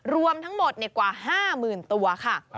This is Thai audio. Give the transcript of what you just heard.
รวมทั้งหมดกว่า๕๐๐๐ตัวค่ะ